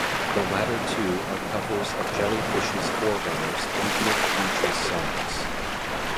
The latter two are covers of Jellyfish's forerunners Beatnik Beatch's songs.